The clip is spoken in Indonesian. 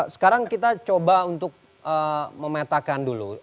sekarang kita coba untuk memetakan dulu